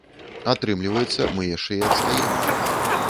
Атрымліваецца, мы яшчэ і адстаем.